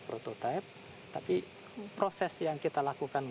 pelajaran proyek nous sana